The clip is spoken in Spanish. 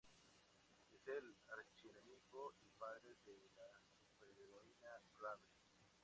Es el archienemigo y padre de la superheroína Raven.